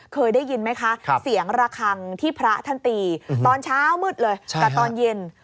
เคยได้ยินไหมคะเสียงระคังที่พระท่านตีตอนเช้ามืดเลยกับตอนเย็น